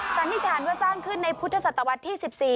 สันนิษฐานว่าสร้างขึ้นในพุทธศตวรรษที่๑๔